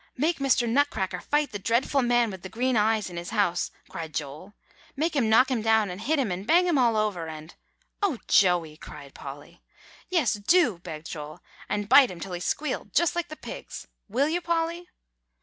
make Mr. Nutcracker fight the dreadful man with the green eyes in his house," cried Joel; "make him knock him down, and hit him and bang him all over and" "O Joey!" cried Polly. "Yes, do," begged Joel; "and bite him till he squealed just like the pigs. Will you, Polly?"